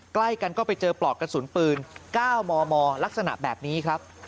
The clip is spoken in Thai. ใกล้กันก็ไปเจอปลอกกระสุนปืน๙มมลักษณะแบบนี้ครับ